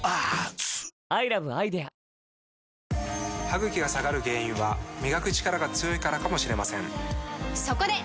歯ぐきが下がる原因は磨くチカラが強いからかもしれませんそこで！